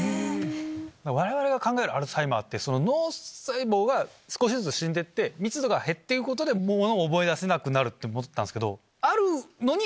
我々が考えるアルツハイマーって脳細胞が少しずつ死んでいって密度が減っていくことでものを思い出せなくなると思ってたんですけど。